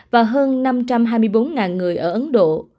và hơn năm trăm hai mươi bốn người ở ấn độ